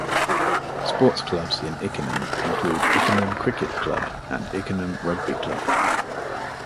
Sports clubs in Ickenham include Ickenham Cricket Club and Ickenham Rugby Club.